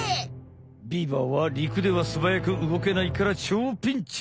ビーバーはりくではすばやくうごけないからちょうピンチ！